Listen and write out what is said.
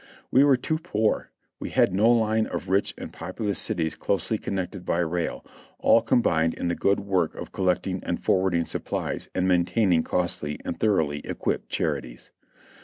We were too poor; we had no line of rich and pop ulous cities closely connected by rail, all combined in the good work of collecting and forwarding supplies and maintaining costly and thoroughly equipped charities.